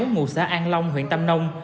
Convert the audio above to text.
ngụ xã an long huyện tàm nông